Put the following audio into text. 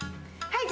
はい。